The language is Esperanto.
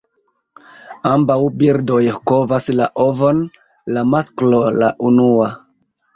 Ambaŭ birdoj kovas la ovon; la masklo la unua.